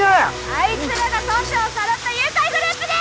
あいつらが村長をさらった誘拐グループです！